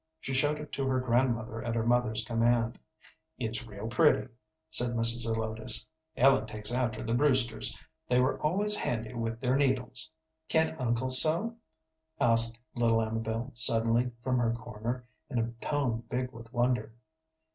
She showed it to her grandmother at her mother's command. "It's real pretty," said Mrs. Zelotes. "Ellen takes after the Brewsters; they were always handy with their needles." "Can uncle sew?" asked little Amabel, suddenly, from her corner, in a tone big with wonder.